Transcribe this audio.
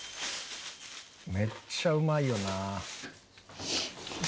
めっちゃうまいよな。